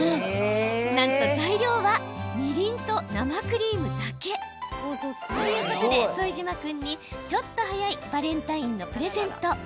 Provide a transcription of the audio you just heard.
なんと材料はみりんと生クリームだけ。ということで、副島君にちょっと早いバレンタインのプレゼント。